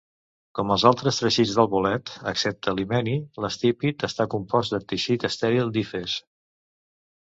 Com els altres teixits del bolet, excepte l'himeni, l'estípit està compost de teixit estèril d'hifes.